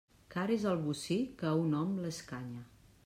Car és el bocí, que a un hom l'escanya.